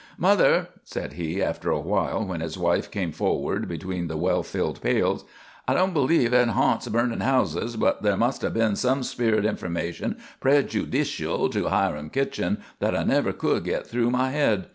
"Mother," said he, after a while, when his wife came forward between the well filled pails, "I don't believe in harnts burnin' houses, but thar must 'a' been some spirit information pre ju dicial to Hiram Kitchen that I never could git through my head.